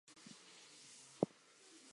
It was a spirit of quite a different order.